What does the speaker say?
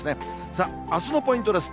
さあ、あすのポイントです。